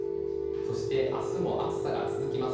そして、明日も暑さが続きます。